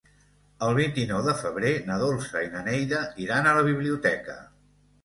El vint-i-nou de febrer na Dolça i na Neida iran a la biblioteca.